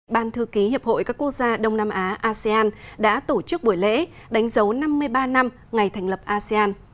ban thư ký hiệp hội các quốc gia đông nam á asean đã tổ chức buổi lễ đánh dấu năm mươi ba năm ngày thành lập asean